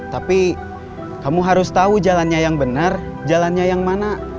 tapi kamu harus tahu jalannya yang benar jalannya yang mana